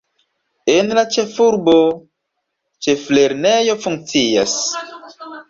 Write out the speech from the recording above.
En la ĉefurbo ĉeflernejo funkcias.